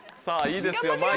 さぁいいですよ。